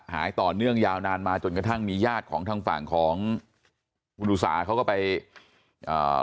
หายต่อเนื่องยาวนานมาจนกระทั่งมีญาติของทางฝั่งของคุณอุสาเขาก็ไปอ่า